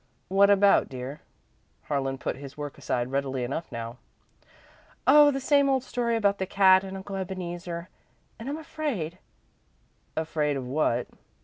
"What about, dear?" Harlan put his work aside readily enough now. "Oh, the same old story about the cat and Uncle Ebeneezer. And I'm afraid " "Afraid of what?"